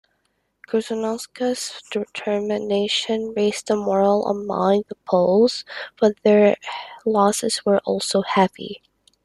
Chrzanowska's determination raised the morale among the Poles, but their losses were also heavy.